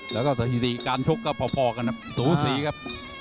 แล้วก็สถิติการชกก็พอกันครับสูสีครับ